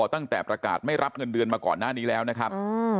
ตั้งแต่ประกาศไม่รับเงินเดือนมาก่อนหน้านี้แล้วนะครับ